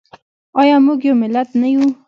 آیا موږ یو ملت نه یو؟